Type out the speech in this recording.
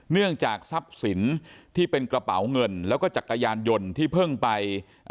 เนื่องจากทรัพย์สินที่เป็นกระเป๋าเงินแล้วก็จักรยานยนต์ที่เพิ่งไป